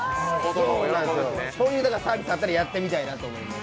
そういうサービスあったらやってみたいなと思います。